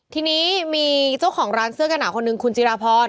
ทีนี้มีเจ้าของร้านเสื้อกระหนาคนหนึ่งคุณจิราพร